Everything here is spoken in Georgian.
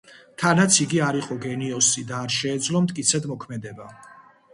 თანაც იგი არ იყო გენიოსი და არ შეეძლო მტკიცედ მოქმედება.